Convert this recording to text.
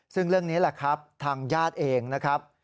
ซึ่งเรื่องนี้แหละครับทางญาติเองนะครับ